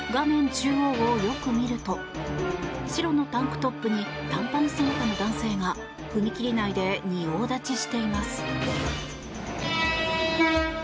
中央をよく見ると白のタンクトップに短パン姿の男性が踏切内で仁王立ちしています。